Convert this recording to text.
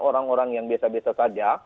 orang orang yang biasa biasa saja